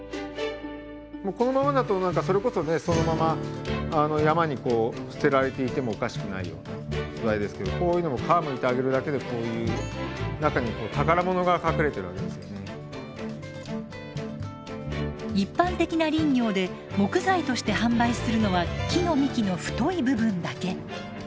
もうこのままだと何かそれこそねそのまま山に捨てられていてもおかしくないような素材ですけどこういうのも一般的な林業で木材として販売するのは木の幹の太い部分だけ。